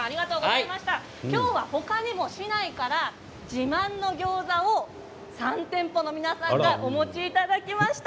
今日は他にも市内から自慢の餃子を３店舗の皆さんにお持ちいただきました。